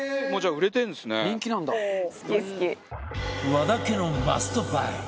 和田家のマストバイ！